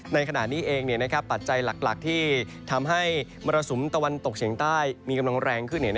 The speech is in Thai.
ในขณะนี้เองปัจจัยหลักที่ทำให้มรสุมตะวันตกเฉียงใต้มีกำลังแรงขึ้น